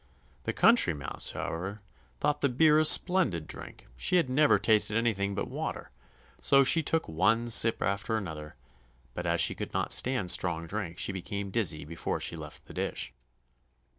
The Country Mouse, however, thought the beer a splendid drink; she had never tasted anything but water, so she took one sip after another, but as she could not stand strong drink she became dizzy before she left the dish.